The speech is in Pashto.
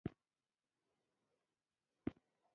د تېرېدنې طريقه به يې خپلوله.